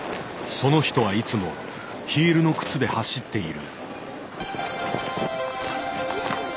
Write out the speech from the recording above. その人はいつもヒールの靴で走っている。